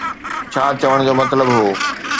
ڇا چوڻ جو مطلب هو.